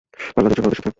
পাল্লা দিচ্ছ বড়দের সাথে।